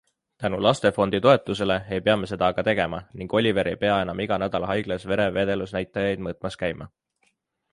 Tänu Lastefondi toetusele ei pea me seda aga tegema ning Oliver ei pea enam iga nädal haiglas vere vedelusnäitajaid mõõtmas käima.